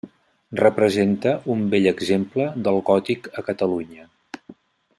Representa un bell exemple del gòtic a Catalunya.